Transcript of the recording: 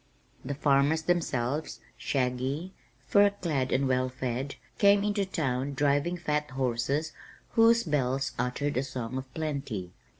The farmers themselves, shaggy, fur clad and well fed, came into town driving fat horses whose bells uttered a song of plenty.